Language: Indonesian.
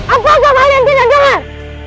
apa kabar yang tidak dengar